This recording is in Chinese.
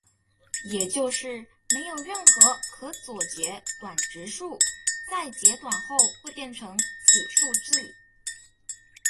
也就是没有任何可左截短质数在截短后会变成此数字。